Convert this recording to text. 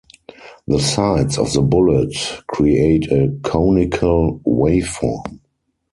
The sides of the bullet create a conical waveform.